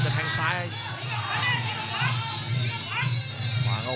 กำปั้นขวาสายวัดระยะไปเรื่อย